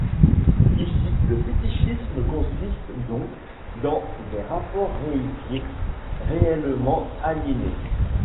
Ici le fétichisme consiste donc dans des rapports réifiés, réellement aliénés.